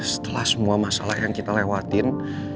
setelah semua masalah yang kita lewatin